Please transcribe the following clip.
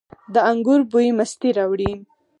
د انګورو بوی مستي راوړي.